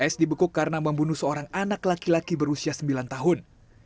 s dibekuk karena membunuh seorang anak laki laki berusia sembilan tahun